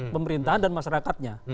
pemerintahan dan masyarakatnya